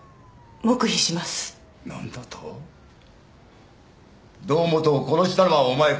黙秘しますなんだと⁉堂本を殺したのはお前か？